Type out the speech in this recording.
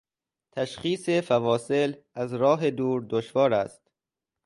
تشخیص فواصل، از راه دور دشوار است.